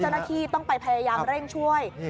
เจ้าหน้าที่ต้องไปพยายามเร่งช่วย